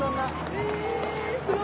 えすごい！